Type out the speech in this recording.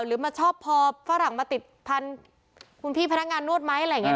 หรือมาชอบพอฝรั่งมาติดพันธุ์พี่พนักงานนวดไหมอะไรอย่างนี้